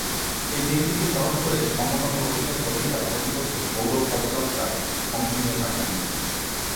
এই দিনটিকে স্মরণ করে সমকামী অধিকার কর্মীরা প্রতি বছর গৌরব পদযাত্রায় অংশ নিয়ে থাকেন।